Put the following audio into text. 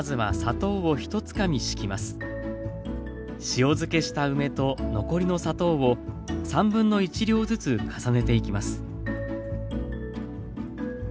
塩漬けした梅と残りの砂糖を1/3量ずつ重ねていきます。